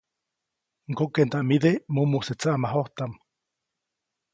Ŋgokeʼndaʼmide mumuse tsaʼmajojtaʼm.